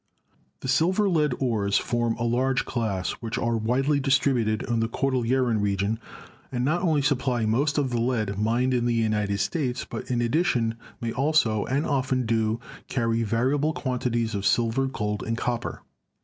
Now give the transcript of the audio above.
The Silver Lead Ores form a large class, which are widely distributed in the Cordilleran region, and not only supply most of the lead mined in the United States, but in addition may also and often do carry variable quanti ties of silver, gold and copper.